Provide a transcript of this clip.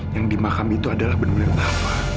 yang di makam itu adalah benulir nafa